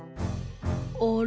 「あれ？